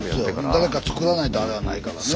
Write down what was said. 誰か作らないとあれはないからね。